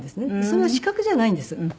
それは資格じゃないんです。